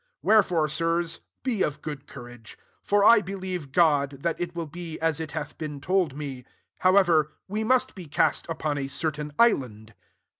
25 Wherefore, sirs, be of good, courage : for I be lieve God, that it will be as it hath been told me. 26 How ever, we must be cast upon a certain island."